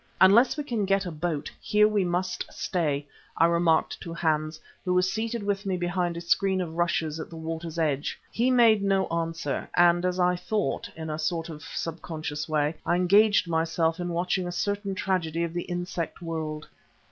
"Unless we can get a boat, here we must stay," I remarked to Hans, who was seated with me behind a screen of rushes at the water's edge. He made no answer, and as I thought, in a sort of subconscious way, I engaged myself in watching a certain tragedy of the insect world.